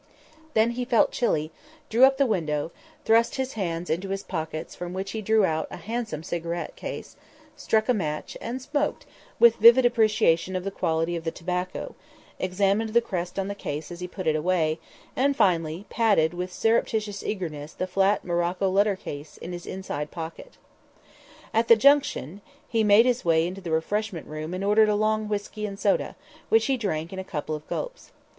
Then he felt chilly, drew up the window, thrust his hands into his pockets from which he drew out a handsome cigarette case, struck a match, and smoked with vivid appreciation of the quality of the tobacco, examined the crest on the case as he put it away, and finally patted with surreptitious eagerness the flat morocco letter case in his inside pocket. At the Junction, he made his way into the refreshment room and ordered a long whisky and soda, which he drank in a couple of gulps.